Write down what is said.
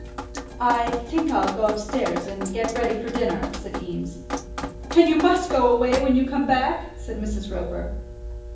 "I think I'll go upstairs, and get ready for dinner," said Eames. "And you must go away when you come back?" said Mrs. Roper.